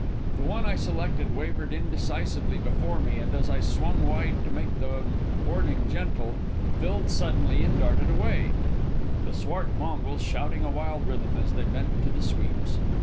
The one I had selected wavered indecisively before me, and, as I swung wide to make the boarding gentle, filled suddenly and darted away, the swart Mongols shouting a wild rhythm as they bent to the sweeps.